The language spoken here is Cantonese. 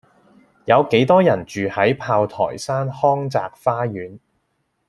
有幾多人住喺炮台山康澤花園